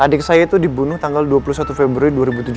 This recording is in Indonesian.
adik saya itu dibunuh tanggal dua puluh satu februari dua ribu tujuh belas